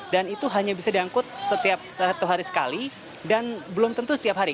dan itu hanya bisa diangkut setiap satu hari sekali dan belum tentu setiap hari